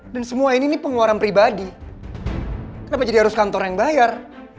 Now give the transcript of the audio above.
semua ini pengeluaran pribadi kenapa jadi harus kantor yang bayar